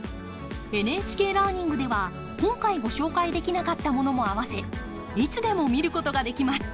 ＮＨＫラーニングでは今回ご紹介できなかったものもあわせいつでも見ることができます！